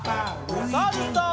おさるさん。